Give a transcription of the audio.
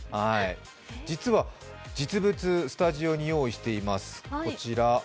実は実物スタジオに用意しています、こちら。